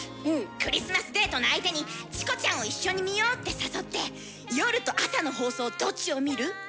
クリスマスデートの相手に「チコちゃんを一緒に見よう」って誘って「夜と朝の放送どっちを見る？」と聞いて下さい。